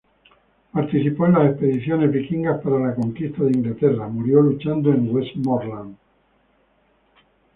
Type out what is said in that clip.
Participó en las expediciones vikingas para la conquista de Inglaterra, murió luchando en Westmorland.